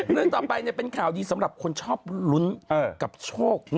เรื่องต่อไปเป็นข่าวดีสำหรับคนชอบลุ้นกับโชค